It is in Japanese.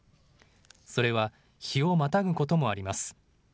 それは日をまたぐこともあります。